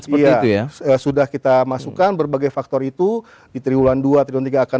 seperti sudah kita masukkan berbagai faktor itu di triwulan dua triwulan tiga akan